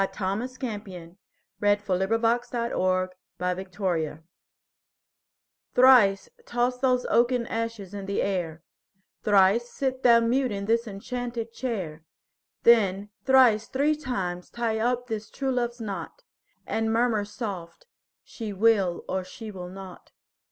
Thomas Campion Thrice Toss Those Oaken Ashes in the Air THRICE toss those oaken ashes in the air; Thrice sit thou mute in this enchanted chair; Then thrice three times tie up this true love's knot, And murmur soft: "She will, or she will not."